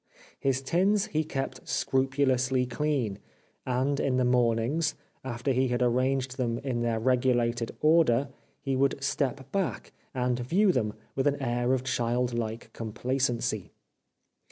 His tins he kept scrupulously clean ; and in the mornings, after he had arranged them in their regulated order, he would step back, and view them with an air of child like complacency.